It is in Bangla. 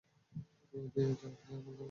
নামিয়ে দিয়ে যাওয়ার জন্য ধন্যবাদ।